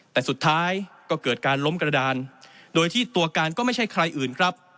แต่สุดท้ายก็เกิดการล้มกระดาน